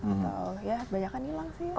atau ya kebanyakan hilang sih